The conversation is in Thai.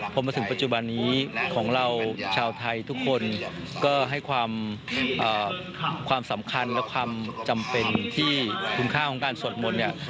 พอมาถึงปัจจุบันนี้ของเราชาวไทยทุกคนก็ให้ความสำคัญและความจำเป็นที่คุ้มค่าของการสวดมนต์เนี่ย